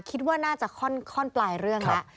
คิดว่าน่าจะค่อนปลายเรื่องแล้ว